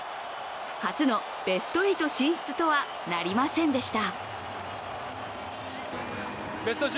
初のベスト８進出とはなりませんでした。